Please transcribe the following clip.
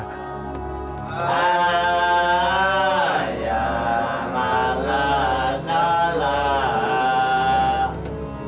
ah ya allah salah